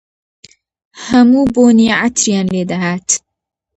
هەموو بۆنی عەتریان لێ دەهات.